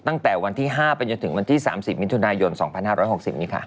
ตั้งแต่วันที่๕ไปจนถึงวันที่๓๐มิถุนายน๒๕๖๐นี้ค่ะ